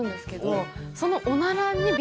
そのおならに。